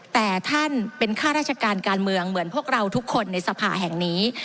แต่ท่านเป็นข้าราชการการเมืองเหมือนพวกเราทุกคนในสภาแห่งนี้